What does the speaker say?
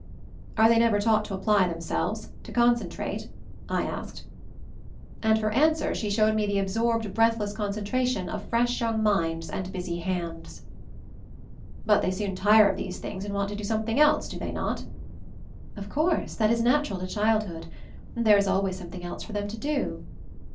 "Are they never taught to apply them selves? To concentrate?" I asked. And for answer she showed me the absorbed, MOVING THE MOUNTAIN 217 breathless concentration of fresh young minds and busy hands. "But they soon tire of these things and want to do something else, do they not?" "Of course. That is natural to childhood. And there is always something else for them to do."